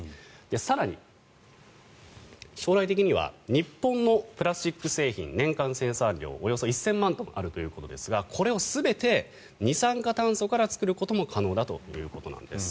更に、将来的には日本のプラスチック製品年間生産量およそ１０００万トンあるということですがこれを全て二酸化炭素から作ることも可能だということなんです。